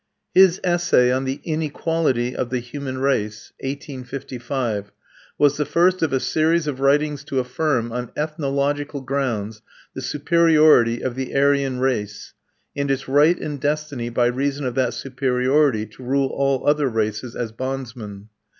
His Essai sur l'inégalité des races humaines (1855) was the first of a series of writings to affirm, on ethnological grounds, the superiority of the Aryan race, and its right and destiny by reason of that superiority to rule all other races as bondsmen.